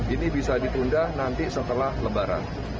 ini bisa ditunda nanti setelah lebaran